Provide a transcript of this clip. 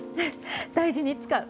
大事に使う。